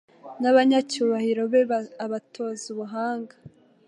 n’abanyacyubahiro be abatoze ubuhanga